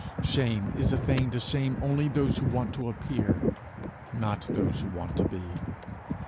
Shame is a thing to shame only those who want to appear, not those who want to be.